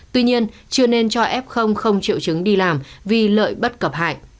tuy nhiên chưa nên cho f không triệu chứng đi làm vì lợi bất cập hại